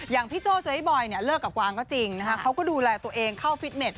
อย่างพี่โจ้เจอไอ้บอยเนี่ยเลิกกับกวางก็จริงนะคะเขาก็ดูแลตัวเองเข้าฟิตเน็ต